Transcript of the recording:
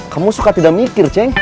kamu suka tidak mikir ceng